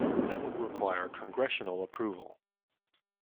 That will require congressional approval.